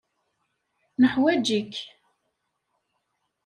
Nuḥwaǧ-ik.